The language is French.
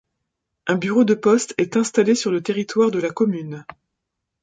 Un bureau de poste est installé sur le territoire de la commune.